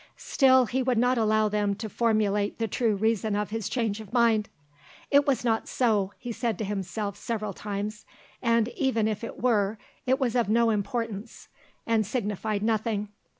Still he would not allow them to formulate the true reason of his change of mind. It was not so, he said to himself several times, and even if it were it was of no importance and signified nothing.